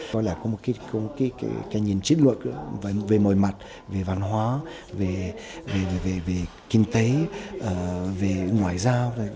gọi là có một cái cái nhìn chích luật về mọi mặt về văn hóa về kinh tế về ngoại giao